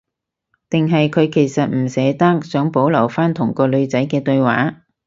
定係佢其實唔捨得，想保留返同個女仔嘅對話